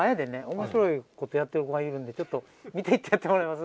面白いことやってる子がいるんでちょっと見ていってやってもらえます？